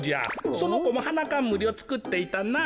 そのこもはなかんむりをつくっていたな。